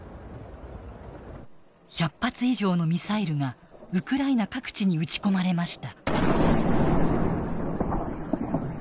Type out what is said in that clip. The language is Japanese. １００発以上のミサイルがウクライナ各地に撃ち込まれました。